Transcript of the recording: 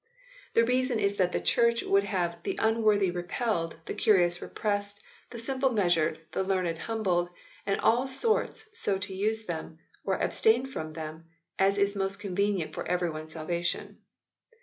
The reason is that the Church would have "the unworthy repelled, the curious repressed, the simple measured, the learned humbled, and all sorts so to use them, or to abstain from them, as is most convenient for every one s salvation."